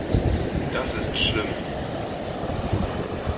Das ist schlimm.